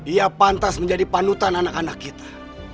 ia pantas menjadi panutan anak anak kita